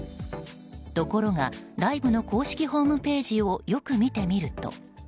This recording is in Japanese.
ところがライブの公式ホームページをよく見てみると。